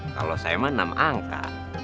kalau saya mah enam angka